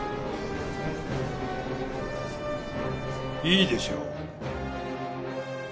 いいでしょう。